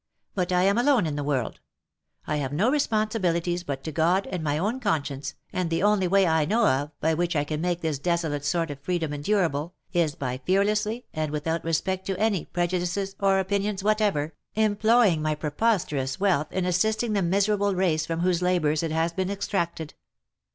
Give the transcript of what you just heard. But I am alone in the world ; I have no responsibilities but to God and my own consci ence, and the only way I know of, by which I can make this desolate sort of freedom endurable, is by fearlessly, and without respect to any prejudices or opinions whatever, employing my preposterous wealth in assisting the miserable race from whose labours it has been extracted.